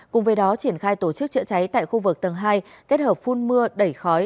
cùng với đó triển khai tổ chức chữa cháy tại khu vực tầng hai kết hợp phun mưa đẩy khói